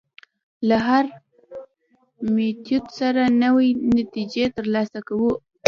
له هر میتود سره نوې نتیجې تر لاسه کوو.